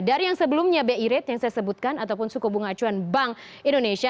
dari yang sebelumnya bi rate yang saya sebutkan ataupun suku bunga acuan bank indonesia